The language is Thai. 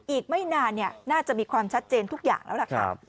อีกไม่นานน่าจะมีความชัดเจนทุกอย่างแล้วล่ะค่ะ